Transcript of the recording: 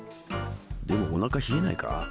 でもおなか冷えないか？